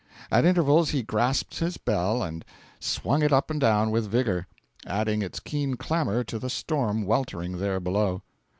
At intervals he grasped his bell and swung it up and down with vigour, adding its keen clamour to the storm weltering there below.